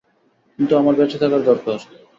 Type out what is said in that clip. কিন্তু আমার বেঁচে থাকার দরকার।